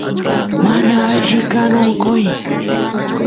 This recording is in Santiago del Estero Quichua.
mana alli kan onqoy